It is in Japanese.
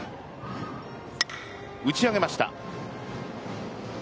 打ち上げました。